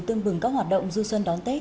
tương bừng các hoạt động du xuân đón tết